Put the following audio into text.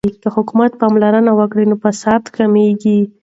که حکومت پاملرنه وکړي نو فساد کمیږي.